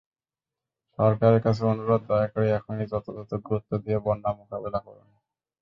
সরকারের কাছে অনুরোধ, দয়া করে এখনই যথাযথ গুরুত্ব দিয়ে বন্যা মোকাবিলা করুন।